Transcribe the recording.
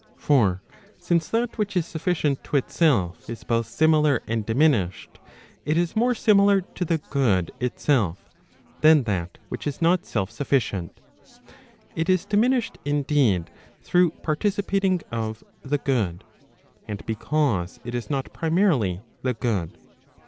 For since that which is sufficient to itself is both similar and diminished, it is more similar to the good itself [than that which is not self sufficient]. It is diminished indeed through participating of the good, and because it is not primarily the good.